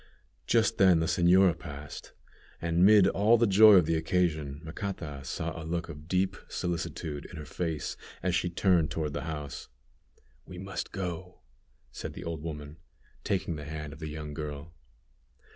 Just then the señora passed, and, mid all the joy of the occasion, Macata saw a look of deep solicitude in her face as she turned toward the house. "We must go," said the old woman, taking the hand of the young girl.